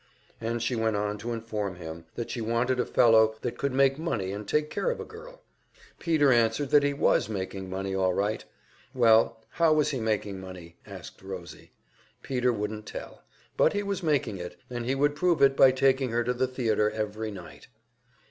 And she went on to inform him that she wanted a fellow that could make money and take care of a girl. Peter answered that he was making money all right. Well, how was he making money, asked Rosie. Peter wouldn't tell, but he was making it, and he would prove it by taking her to the theater every night.